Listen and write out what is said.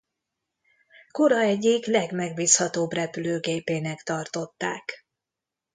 Kora egyik legmegbízhatóbb repülőgépének tartották.